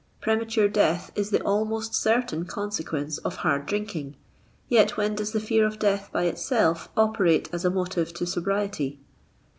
Premature death is the almost certain consequence of hard drinking, yet when does the fear of death by itself operate as a motive to so briety